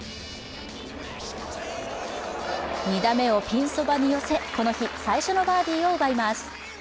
２打目をピンそばに寄せ、この日、最初のバーディーを奪います。